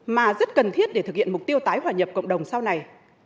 mà rất cần thiết để thực hiện mục tiêu tái hòa nhập cộng đồng sau này